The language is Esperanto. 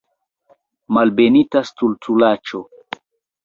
Malbenita stultulaĉo.